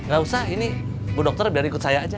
gak usah ini bu dokter biar ikut saya aja